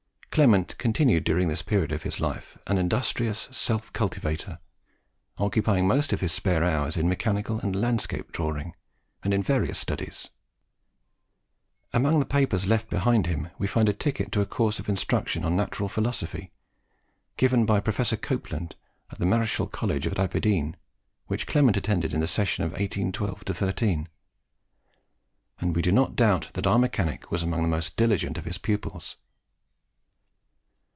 Clement continued during this period of his life an industrious self cultivator, occupying most of his spare hours in mechanical and landscape drawing, and in various studies. Among the papers left behind him we find a ticket to a course of instruction on Natural Philosophy given by Professor Copland in the Marischal College at Aberdeen, which Clement attended in the session of 1812 13; and we do not doubt that our mechanic was among the most diligent of his pupils.